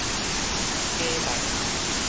假捌